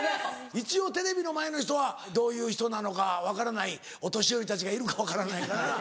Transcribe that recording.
一応テレビの前の人はどういう人なのか分からないお年寄りたちがいるか分からないからな。